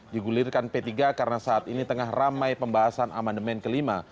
digulirkan p tiga karena saat ini tengah ramai pembahasan amandemen kelima